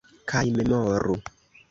Kaj memoru!